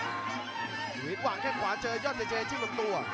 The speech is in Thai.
ลูอีสวางแข้งขวาเจอยอดเจเจจิ้มลงตัว